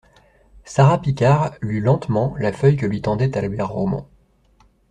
Sara Picard lut lentement la feuille que lui tendait Albert Roman.